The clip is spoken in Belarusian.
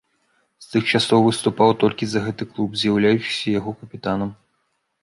З тых часоў выступаў толькі за гэты клуб, з'яўляючыся яго капітанам.